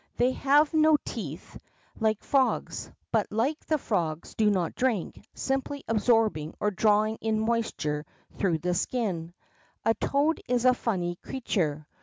They have no teeth 80 THE ROCK FROG like frogs, but like the frogs do not drink, simply absorbing or drawing in moisture through the skin. A toad is a funny creature.